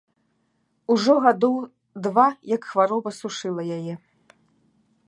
Ужо гадоў два як хвароба сушыла яе.